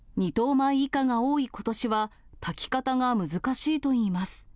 米以下が多いことしは、炊き方が難しいといいます。